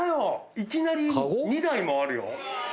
いきなり２台もあるよ。